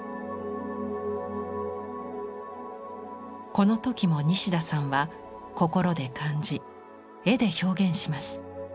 この時も西田さんは心で感じ絵で表現します。